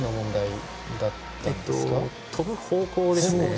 飛ぶ方向ですね。